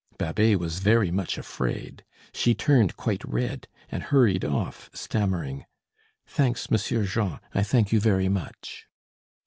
Babet was very much afraid. She turned quite red, and hurried off stammering: "Thanks, Monsieur Jean, I thank you very much."